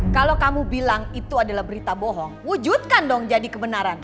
kalau kamu bilang itu adalah berita bohong wujudkan dong jadi kebenaran